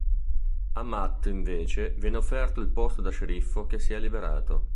A Matt invece viene offerto il posto da sceriffo che si è liberato.